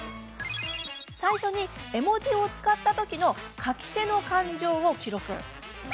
最初に絵文字を使ったときの書き手の感情を記録。